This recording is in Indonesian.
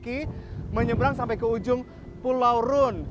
kita bisa berjalan kaki menyeberang sampai ke ujung pulau run